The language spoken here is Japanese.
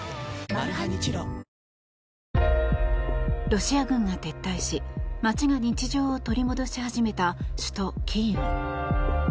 ロシア軍が撤退し、街が日常を取り戻し始めた首都キーウ。